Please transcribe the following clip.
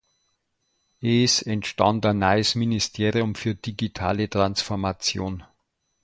Es entstand ein neues Ministerium für digitale Transformation.